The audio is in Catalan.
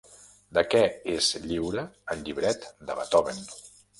De què és lliure el llibret de Beethoven?